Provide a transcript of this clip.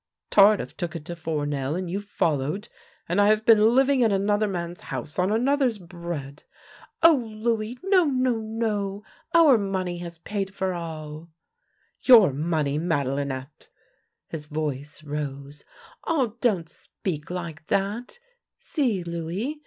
"" Tardif took it to Fournel, and you followed. And THE LANE THAT HAD NO TURNING 85 I have been living in another man's house, on another's bread "" Oh, Louis, no — no — no ! Our money has paid for all." " Your money, Madelinette! " His voice rose. " Ah, don't speak like that. See, Louis.